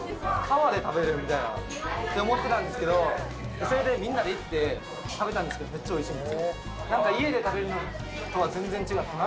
川で食べる？みたいなって思ってたんですけどそれでみんなで行って食べたんですけどめっちゃおいしいんですよ